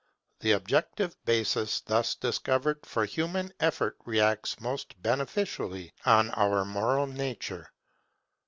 The objective basis thus discovered for human effort reacts most beneficially on our moral nature.